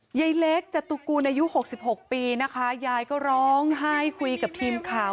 ยายเล็กจตุกูลอายุ๖๖ปีนะคะยายก็ร้องไห้คุยกับทีมข่าว